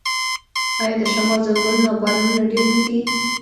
آیا د شمال ځنګلونه او بارانونه ډیر نه دي؟